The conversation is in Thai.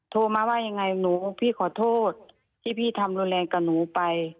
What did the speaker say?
โทรมาพี่ขอโทษที่จะทำรุนแรงกับน้อง